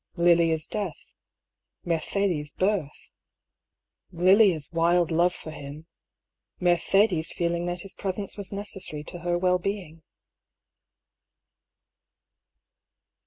Lilia's death — Mercedes' birth — Lilia's wild love for him — Mercedes' feeling that his presence was necessary to her wellbeing.